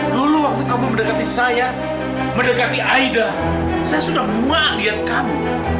dulu waktu kamu mendekati saya mendekati aida saya sudah muak lihat kamu